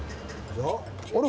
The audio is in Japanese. あれ？